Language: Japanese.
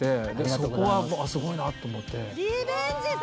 そこはあっすごいなと思っていや